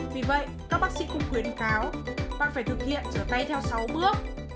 vì vậy các bác sĩ cũng khuyến cáo bạn phải thực hiện rửa tay theo sáu bước